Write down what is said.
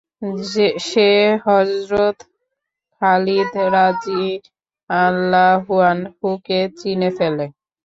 সে হযরত খালিদ রাযিয়াল্লাহু আনহু-কে চিনে ফেলে।